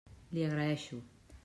L'hi agraeixo.